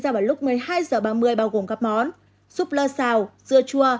ra vào lúc một mươi hai h ba mươi bao gồm các món súp lơ xào dưa chua